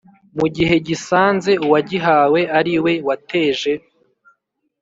mu gihe gisanze uwagihawe ariwe wateje